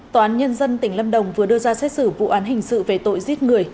tòa án nhân dân tỉnh lâm đồng vừa đưa ra xét xử vụ án hình sự về tội giết người